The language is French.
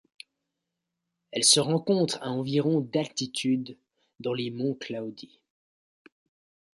Elle se rencontre à environ d'altitude dans les monts Cloudy.